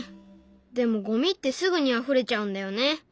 でもゴミってすぐにあふれちゃうんだよね。